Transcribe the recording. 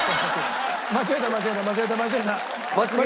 間違えた間違えた間違えた間違えた。